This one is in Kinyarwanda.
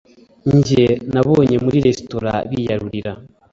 njye nabonye muri resitora biyarurira